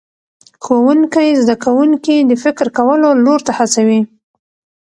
ښوونکی زده کوونکي د فکر کولو لور ته هڅوي